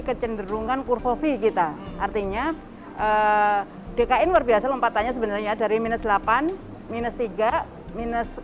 kecenderungan kurvovi kita artinya dki luar biasa lompatannya sebenarnya dari minus delapan minus tiga minus sepuluh